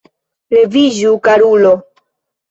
Leviĝu, karulo!